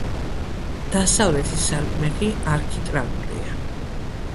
დასავლეთი სარკმელი არქიტრავულია.